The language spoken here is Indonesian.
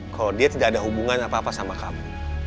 kalau dia tidak ada hubungan apa apa sama kamu